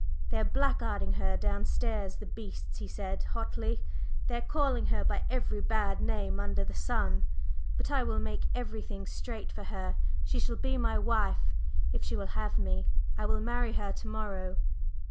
"They are blackguarding her downstairs, the beasts!" he said hotly. "They are calling her by every bad name under the sun! But I will make everything straight for her; she shall be my wife! If she will have me, I will marry her to morrow!"